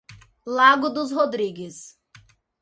Lago dos Rodrigues